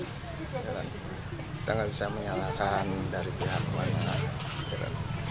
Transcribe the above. kita gak bisa menyalahkan dari pihak mana